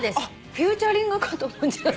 フィーチャリングかと思っちゃった。